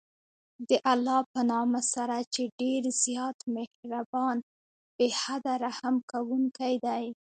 د الله په نامه سره چې ډېر زیات مهربان، بې حده رحم كوونكى دی.